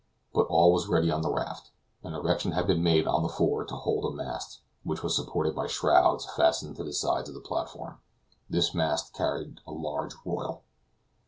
But all was ready on the raft; an erection had been made on the fore to hold a mast, which was supported by shrouds fastened to the sides of the platform; this mast carried a large royal.